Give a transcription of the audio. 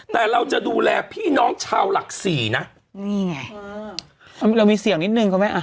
แต่เราจะดูแลพี่น้องชาวหลักสี่นะนี่ไงเรามีเสี่ยงนิดนึงเขาไหมอ่ะ